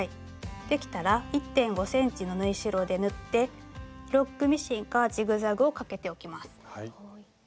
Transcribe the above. できたら１．５ｃｍの縫い代で縫ってロックミシンかジグザグをかけておきます。